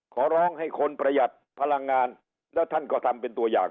ขอร้องให้คนประหยัดพลังงานแล้วท่านก็ทำเป็นตัวอย่าง